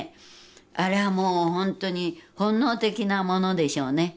あれはもう本当に本能的なものでしょうね。